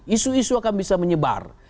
isu isu akan bisa menyebar